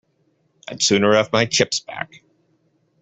I'd sooner have my chips back.